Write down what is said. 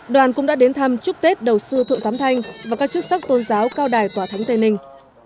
đoàn cũng đã đến thăm chúc tết đầu sư thượng thanh và các chức sắc tôn giáo cao đài tỏa thánh tây ninh